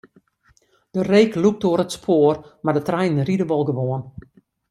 De reek lûkt oer it spoar, mar de treinen ride wol gewoan.